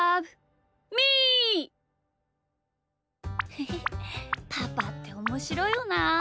へへパパっておもしろいよなあ。